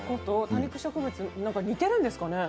多肉植物が似ているんですかね。